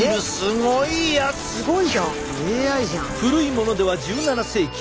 古いものでは１７世紀。